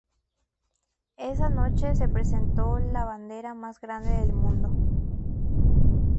Esa noche se presentó la "bandera más grande del mundo".